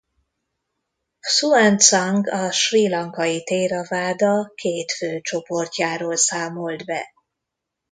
Hszuan-cang a srí lankai théraváda két fő csoportjáról számolt be.